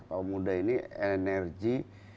kau muda ini energi